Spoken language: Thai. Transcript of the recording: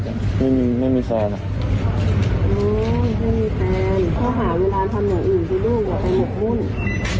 พอหาเวลาทำเหมือนอื่นดูดูจะไปหมกมุ่น